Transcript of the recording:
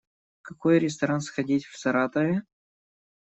В какой ресторан сходить в Саратове?